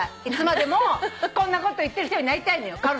いつまでもこんなこと言ってる人になりたいのよ。